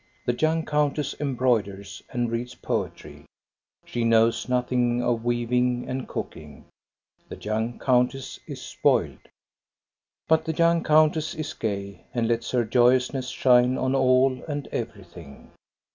The young countess embroiders, and reads poetry. She knows nothing of weaving and cooking. The young countess is spoiled. But the young countess is gay, and lets her joyous ness shine on all and everything.